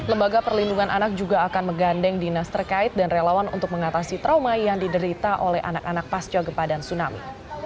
lembaga perlindungan anak juga akan menggandeng dinas terkait dan relawan untuk mengatasi trauma yang diderita oleh anak anak pasca gempa dan tsunami